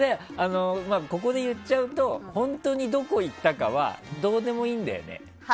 ここで言っちゃうと本当にどこに行ったかはどうでもいいんだよね。